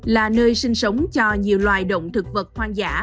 là nơi sinh sống cho nhiều loài động thực vật hoang dã